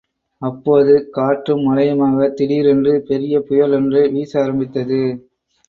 அப்போது காற்றும் மழையுமாகத் திடீரென்று பெரிய புயலொன்று வீச ஆரம்பித்தது.